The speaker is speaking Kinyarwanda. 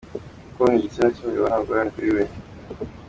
Konka igitsina cy’umugabo nta ngorane kuri we!.